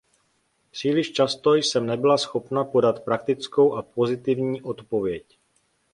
Příliš často jsem nebyla schopna podat praktickou a pozitivní odpověď.